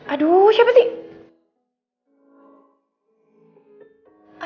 aduh siapa sih